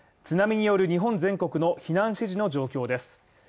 津波による日本全国の避難指示の状況です。